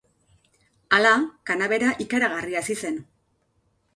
Hala, kanabera ikaragarri hazi zen.